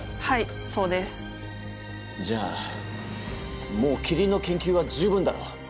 はいそうです。じゃあもうキリンの研究は十分だろ。